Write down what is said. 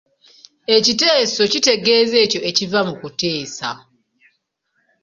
Ekiteeso kitegeeza ekyo ekiva mu kuteesa.